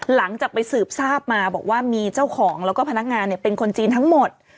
หลังจากไปสืบทราบมาบอกว่ามีเจ้าของแล้วก็พนักงานเป็นคนจีนทั้งหมด